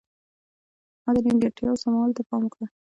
ما د نیمګړتیاوو سمولو ته پام وکړ.